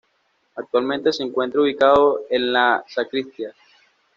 Actualmente se encuentra ubicado en la sacristía.